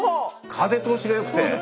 風通しがよくて。